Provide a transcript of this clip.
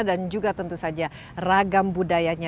dan juga tentu saja ragam budayanya